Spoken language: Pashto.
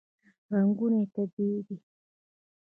رنګونه یې طبیعي دي.